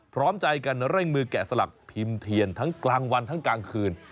พร้อมใจกันเร่งมือแกะสลักพิมพ์เทียนทั้งกลางวันทั้งกลางคืน